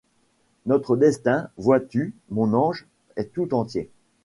Notre destin, vois-tu, mon ange, est tout entier